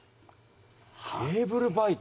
ケーブルバイト？